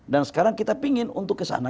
dan sekarang kita ingin untuk ke sana